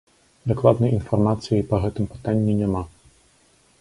Дакладнай інфармацыі па гэтым пытанні няма.